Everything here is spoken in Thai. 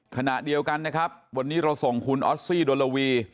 ขณะเดียวกันนะครับวันนี้เราส่งคุณออสซี่โดโลวี